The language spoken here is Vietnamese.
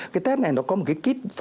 cái test này nó có một cái kit